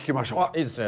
いいですね。